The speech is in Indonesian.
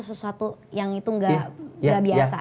sesuatu yang itu nggak biasa